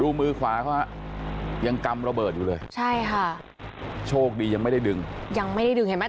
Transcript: มือขวาเขาฮะยังกำระเบิดอยู่เลยใช่ค่ะโชคดียังไม่ได้ดึงยังไม่ได้ดึงเห็นไหม